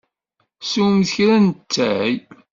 Swemt kra n ttay.